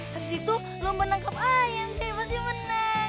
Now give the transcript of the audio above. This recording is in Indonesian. habis itu lomba nangkep ayam temen temennya menang